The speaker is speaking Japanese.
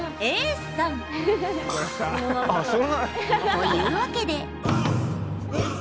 というわけで。